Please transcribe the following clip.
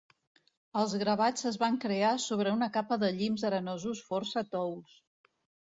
Els gravats es van crear sobre una capa de llims arenosos força tous.